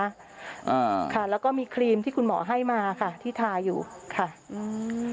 อ่าค่ะแล้วก็มีครีมที่คุณหมอให้มาค่ะที่ทาอยู่ค่ะอืม